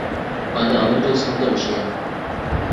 அது அவர்கள் சொந்த விஷயம்.